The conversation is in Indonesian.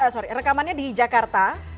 sorry rekamannya di jakarta